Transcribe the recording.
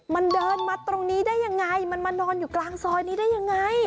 มันเดินมาตรงนี้ได้ยังไงมันมานอนอยู่กลางซอยนี้ได้ยังไง